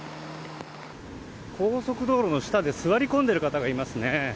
高速道路の下で座り込んでいる方がいますね。